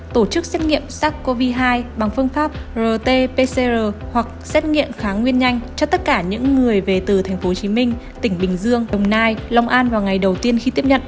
tổ chức xét nghiệm sars cov hai bằng phương pháp rt pcr hoặc xét nghiệm kháng nguyên nhanh cho tất cả những người về từ tp hcm tỉnh bình dương đồng nai long an vào ngày đầu tiên khi tiếp nhận